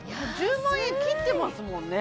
１０万円切ってますもんね